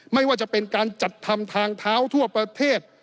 ไม่ว่าจะเป็นการจัดทำทางเท้าทั่วประเทศ